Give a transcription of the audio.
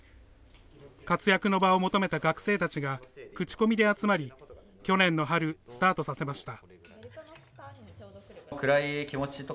活躍の場を求めた学生たちが口コミで集まり去年の春、スタートさせました。